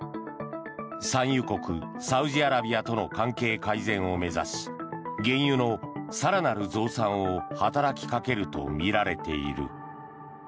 産油国サウジアラビアとの関係改善を目指し原油の更なる増産を働きかけるとみられている。